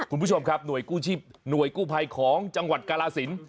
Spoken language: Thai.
คุณผู้ชมครับหน่วยกู้ชีพหน่วยกู้ภัยของจังหวัดกาลสิน